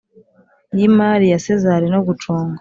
Y imari ya sezar no gucunga